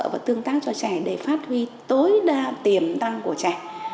và tương tác cho trẻ để phát huy tối đa tiềm năng của trẻ